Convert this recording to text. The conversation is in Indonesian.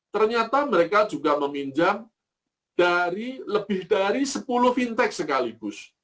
ternyata mereka juga meminjam dari lebih dari sepuluh fintech sekaligus